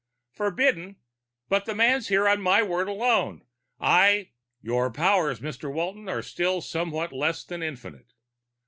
"Forbidden? But the man's here on my word alone. I " "Your powers, Mr. Walton, are still somewhat less than infinite.